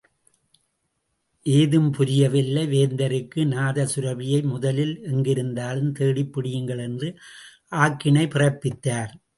ஏதும் புரியவில்லை வேந்தருக்கு நாதசுரபியை முதலில் எங்கிருந்தாலும் தேடிப் பிடியுங்கள்! என்று ஆக்கினை பிறப்பித்தார்.